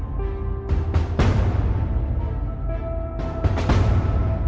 โปรดติดตามต่อไป